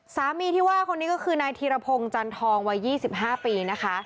สามีที่ว่าคนนี้ก็คือนายธีรพงศ์จันทองวัย๒๕ปีนะคะ